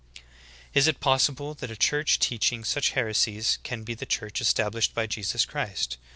Is it possible that a church teaching such heresies can be the Church estabHshed by Jesus Christ?